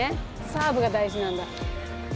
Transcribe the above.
サーブが大事なんだ。